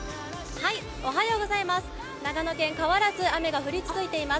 長野県、変わらず雨が降り続いています。